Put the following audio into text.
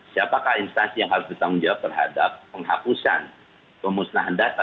siapakah instansi yang harus bertanggung jawab terhadap penghapusan pemusnahan data